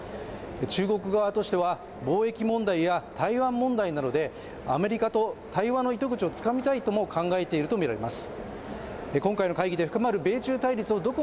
中国側としては貿易問題や台湾問題などでアメリカと対話の糸口をつかみたいとも考えていると見られます